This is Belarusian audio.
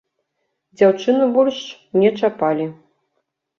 Дзяўчыну больш не чапалі.